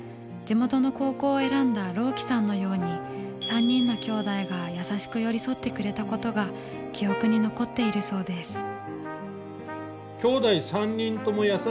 地元の高校を選んだ朗希さんのように３人の兄弟が優しく寄り添ってくれたことが記憶に残っているそうです。